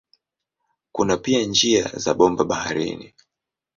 Kuna pia njia za bomba baharini.